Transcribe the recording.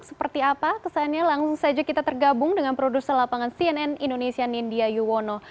seperti apa kesannya langsung saja kita tergabung dengan produser lapangan cnn indonesia nindya yuwono